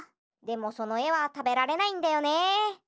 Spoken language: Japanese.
でもそのえはたべられないんだよね。